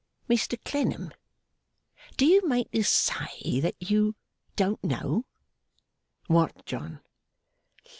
'Mr Clennam, do you mean to say that you don't know?' 'What, John?